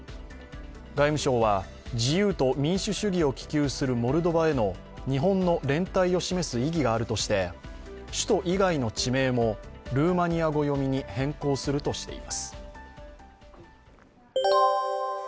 外務省は、自由と民主主義を希求するモルドバへの日本の連帯を示す意義があるとして首都以外の地名もルーマニア語読みに変更するとしています。